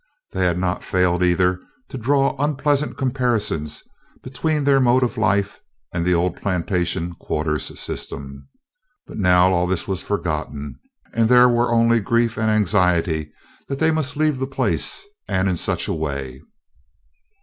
They had not failed, either, to draw unpleasant comparisons between their mode of life and the old plantation quarters system. But now all this was forgotten, and there were only grief and anxiety that they must leave the place and in such a way.